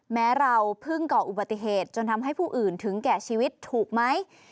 แม้เราเพิ่งก่ออุบัติเหตุจนทำให้ผู้อื่นถึงแก่ชีวิตถูกไหม